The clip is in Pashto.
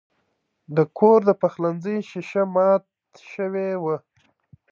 د کور د پخلنځي شیشه مات شوې وه.